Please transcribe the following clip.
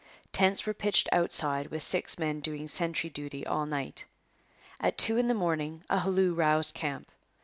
Tents were pitched outside with six men doing sentry duty all night. At two in the morning a halloo roused camp.